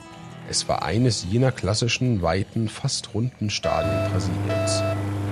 Es war eines jener klassischen, weiten, fast runden Stadien Brasiliens.